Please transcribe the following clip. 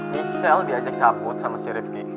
michelle diajak cabut sama si rifqi